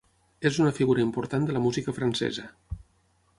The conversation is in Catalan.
És una figura important de la música francesa.